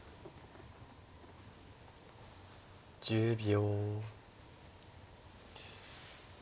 １０秒。